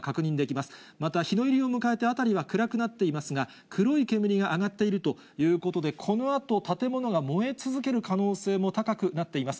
また、日の入りを迎えて辺りは暗くなっていますが、黒い煙が上がっているということで、このあと建物が燃え続ける可能性も高くなっています。